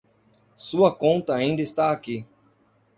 Sua conta ainda está aqui.